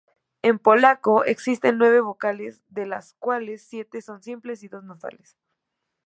En polaco existen nueve vocales, de las cuales siete son simples y dos nasales.